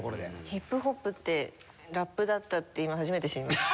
ヒップホップってラップだったって今初めて知りました。